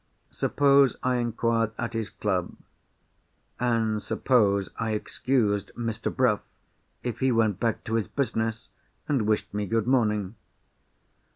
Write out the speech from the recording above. Suppose I inquired at his club? And suppose I excused Mr. Bruff, if he went back to his business and wished me good morning?